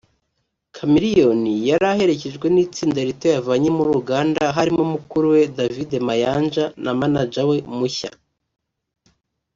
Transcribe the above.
Chameleone yari aherekejwe n’itsinda rito yavanye muri Uganda harimo mukuru we David Mayanja na manager we mushya